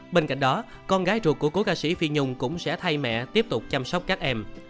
bên cạnh đó con gái ruột của cố ca sĩ phi nhung cũng sẽ thay mẹ tiếp tục chăm sóc các em